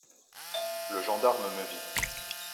Le gendarme me vit.